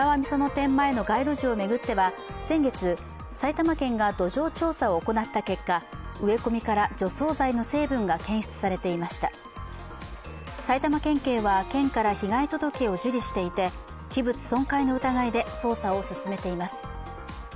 店前の街路樹を巡っては先月埼玉県が土壌調査を行った結果、植え込みから除草剤の成分が検出されていて埼玉県警は、県から被害届を受理していて器物損壊の疑いで捜査を進めています。